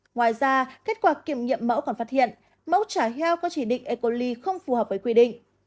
ngoài ra kết quả kiểm nghiệm mẫu còn phát hiện mẫu chả heo có chỉ định e coli không phù hợp với quy định